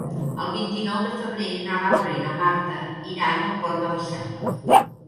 El vint-i-nou de febrer na Laura i na Marta iran al Port de la Selva.